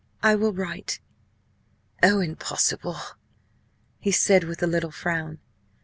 I will write." "Oh, impossible!" he said, with a little frown.